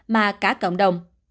mà cả cộng đồng